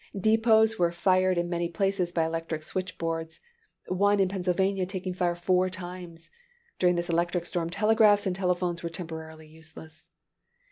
Depots were fired in many places by electric switch boards; one in Pennsylvania taking fire four times. During this electric storm, telegraphs and telephones were temporarily useless.